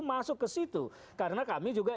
masuk ke situ karena kami juga